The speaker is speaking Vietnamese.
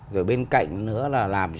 rồi bên cạnh nữa là làm